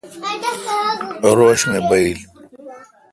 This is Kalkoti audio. روݭ می بایل۔